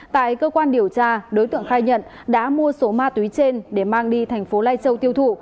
tại cơ quan điều tra đối tượng khai nhận đã mua số ma túy trên để mang đi thành phố lai châu tiêu thụ